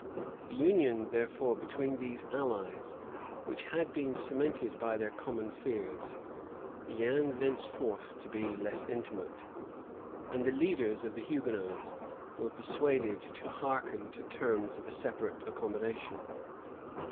The union, therefore, between these allies, which had been cemented by their common fears, began thenceforth to be less intimate; and the leaders of the Hugonots were persuaded to hearken to terms of a separate accommodation.